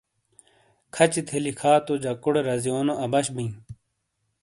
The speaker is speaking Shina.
کھَچی تھے لِکھا تو جَکوٹے رَزِیونو اَبَش بِیں۔